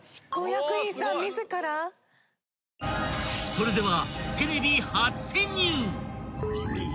［それでは］